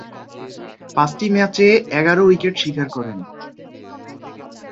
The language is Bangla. পাঁচটি ম্যাচে এগারো উইকেট শিকার করেন।